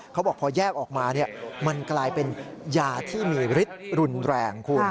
เขาบอกพอแยกออกมามันกลายเป็นยาที่มีฤทธิ์รุนแรงคุณ